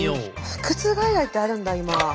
腹痛外来ってあるんだ今。